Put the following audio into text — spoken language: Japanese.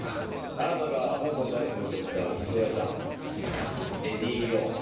あなたが香港で会うつもりだった偽造屋さんエディ・ヨー。